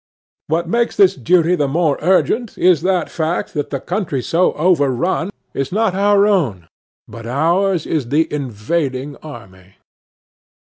What makes this duty the more urgent is that fact, that the country so overrun is not our own, but ours is the invading army.